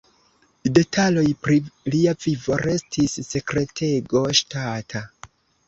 Detaloj pri lia vivo restis sekretego ŝtata.